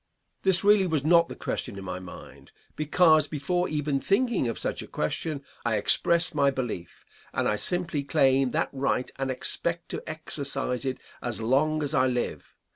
This really was not the question in my mind, because, before even thinking of such a question, I expressed my belief, and I simply claim that right and expect to exercise it as long as I live.